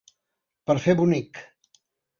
Per fer bonic.